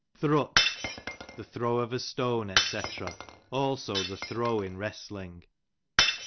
Thrut, the throiv of a stone, Sc. also the throw in wrestling.